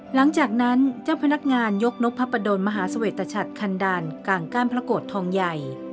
หลังจากนั้นเจ้าพนักงานยกนกพระประดนมหาเสวตชัดคันดันกลางก้านพระโกรธทองใหญ่